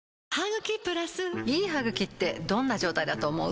いい歯ぐきってどんな状態だと思う？